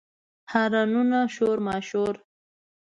هارنونه، شور ماشور